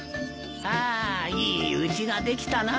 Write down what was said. ああいいうちができたな。